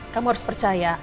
kamu harus percaya